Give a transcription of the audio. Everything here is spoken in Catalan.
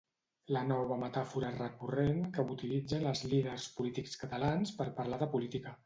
La nova metàfora recurrent que utilitzen els líders polítics catalans per parlar de política.